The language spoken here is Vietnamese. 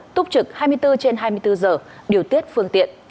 túc trực hai mươi bốn trên hai mươi bốn giờ điều tiết phương tiện